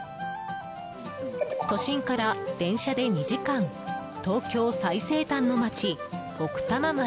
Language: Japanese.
都心から電車で２時間東京最西端の町、奥多摩町。